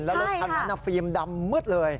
แล้วรถคันนั้นฟิล์มดำมืดเลย